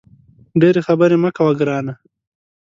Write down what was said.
ډېري خبري مه کوه ګرانه !